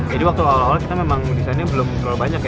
jadi waktu awal awalnya kita memang desainnya belum terlalu banyak ya